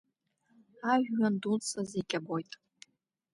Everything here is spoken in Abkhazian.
Ажәҩан дуӡӡа зегь абоит…